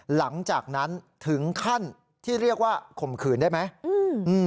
หลังจากนั้นถึงขั้นที่เรียกว่าข่มขืนได้ไหมอืม